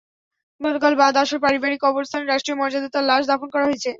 গতকাল বাদ আসর পারিবারিক কবরস্থানে রাষ্ট্রীয় মর্যাদায় তাঁর লাশ দাফন করা হয়েছে।